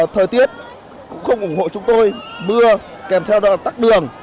thời tiết cũng không ủng hộ chúng tôi mưa kèm theo đoạn tắt đường